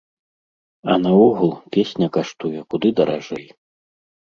А наогул, песня каштуе куды даражэй.